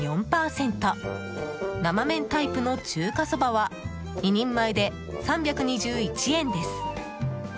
生麺タイプの中華そばは２人前で３２１円です。